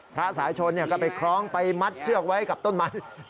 พระสายชนก็ไปคล้องไปมัดเชือกไว้กับต้นไม้